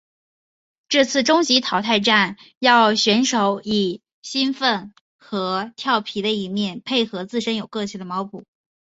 今次终极淘汰战要选手以喜悦和佻皮的一面配合自身有个性的猫步。